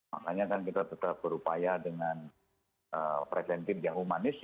makanya kan kita tetap berupaya dengan preventif yang humanis